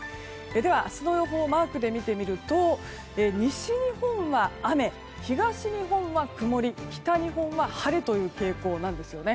では明日の予報をマークで見てみると西日本は雨、東日本は曇り北日本は晴れという傾向です。